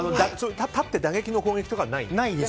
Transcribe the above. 立って打撃の攻撃はない？